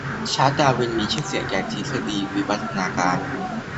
ชาลส์ ดาร์วิน มีชื่อเสียงจากทฤษฎีวิวัฒนาการ